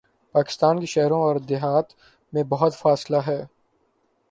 پاکستان کے شہروں اوردیہات میں بہت فاصلہ ہے۔